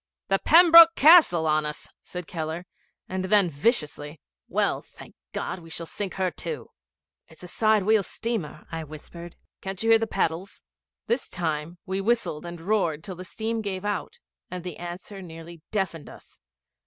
'The Pembroke Castle on us!' said Keller; and then, viciously, 'Well, thank God, we shall sink her too.' 'It's a side wheel steamer,' I whispered. 'Can't you hear the paddles?' This time we whistled and roared till the steam gave out, and the answer nearly deafened us.